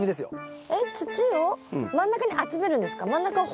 えっ土を真ん中に集めるんですか？